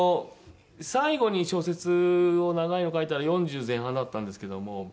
最後に小説を長いの書いたのは４０前半だったんですけども。